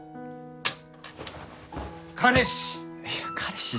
彼氏！